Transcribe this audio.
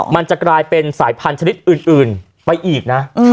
มันจะกลายเป็นสายพันธนิดอื่นไปอีกนะ